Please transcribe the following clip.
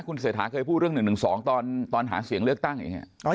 ครูเสถาเคยพูดเรื่อง๑๑๒ตอนหาเสียงเลิกตั้งอีกไง